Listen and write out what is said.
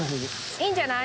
いいんじゃない？